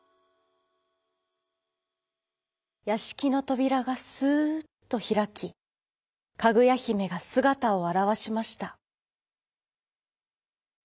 やしきのとびらがすっとひらきかぐやひめがすがたをあらわしました。